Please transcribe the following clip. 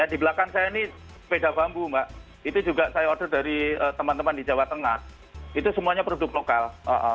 di belakang saya ini sepeda bambu mbak itu juga saya order dari teman teman di jawa tengah itu semuanya produk lokal